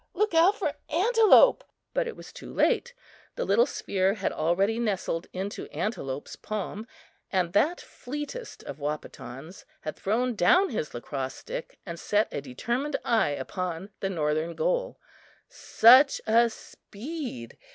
Look out for Antelope!" But it was too late. The little sphere had already nestled into Antelope's palm and that fleetest of Wahpetons had thrown down his lacrosse stick and set a determined eye upon the northern goal. Such a speed!